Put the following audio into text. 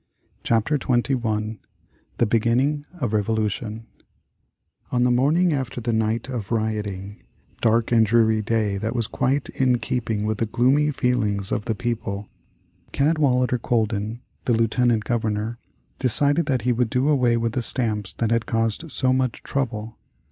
CHAPTER XXI THE BEGINNING of REVOLUTION On the morning after the night of rioting dark and dreary day that was quite in keeping with the gloomy feelings of the people Cadwallader Colden, the Lieutenant Governor, decided that he would do away with the stamps that had caused so much trouble.